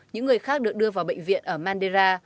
những người khác được đưa vào bệnh viện ở mandera